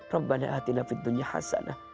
rabbana atina fid dunya hasanah